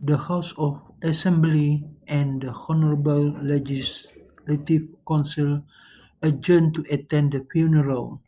The House of Assembly and the Honourable Legislative Council adjourned to attend the funeral.